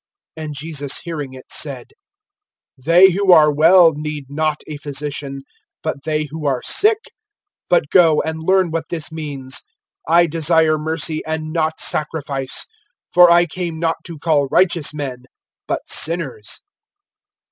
(12)And Jesus hearing it, said: They who are well need not a physician, but they who are sick. (13)But go, and learn what this means: I desire mercy and not sacrifice; for I came not to call righteous men, but sinners.